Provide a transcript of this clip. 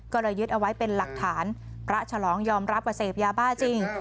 ก็เลยยึดเอาไว้เป็นหลักฐานพระฉลองยอมรับว่าเสพยาบ้าจริง